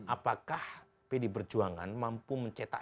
apakah pd perjuangan mampu mencetak